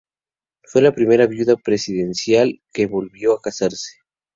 Fue la primera viuda presidencial que volvió a casarse.